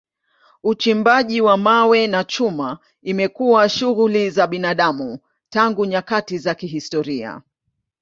Uchimbaji wa mawe na chuma imekuwa shughuli za binadamu tangu nyakati za kihistoria.